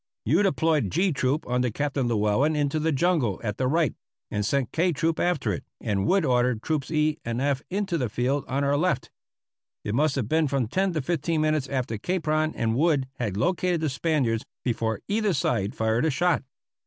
You deployed G Troop under Captain Llewellen into the jungle at the right and sent K Troop after it, and Wood ordered Troops E and F into the field on our left. It must have been from ten to fifteen minutes after Capron and Wood had located the Spaniards before either side fired a shot.